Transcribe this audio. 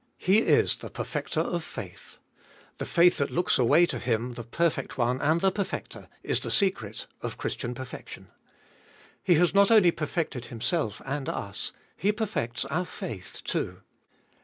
He is the Perfecter of faith — the faith that looks away to Him the perfect One and the Perfecter, is the secret of Christian perfection. He has not only perfected Himself and us, He perfects our faith too.